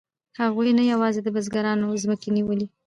هغوی نه یوازې د بزګرانو ځمکې ونیولې